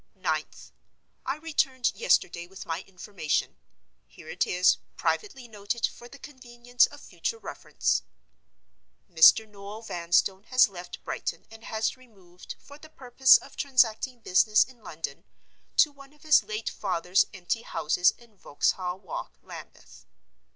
9th.—I returned yesterday with my information. Here it is, privately noted down for convenience of future reference: Mr. Noel Vanstone has left Brighton, and has removed, for the purpose of transacting business in London, to one of his late father's empty houses in Vauxhall Walk, Lambeth.